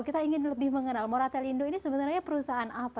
kita ingin lebih mengenal moratel indo ini sebenarnya perusahaan apa